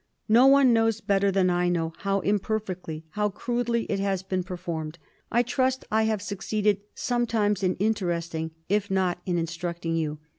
No one knows better than I know how imperfectly, how crudely it has been per formed. I trust I have succeeded sometimes in inter esting, if not in instructing you.